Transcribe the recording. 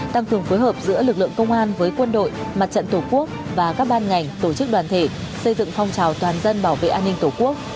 tăng cường phối hợp giữa lực lượng công an với quân đội mặt trận tổ quốc và các ban ngành tổ chức đoàn thể xây dựng phong trào toàn dân bảo vệ an ninh tổ quốc